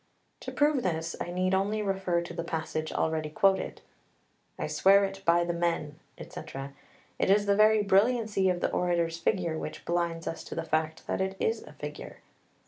To prove this I need only refer to the passage already quoted: "I swear it by the men," etc. It is the very brilliancy of the orator's figure which blinds us to the fact that it is a figure.